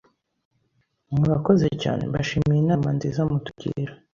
Murakoze cyane mbashimiye inama nziza mutugira